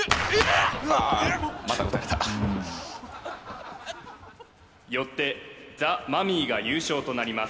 ああまた撃たれたよってザ・マミィが優勝となります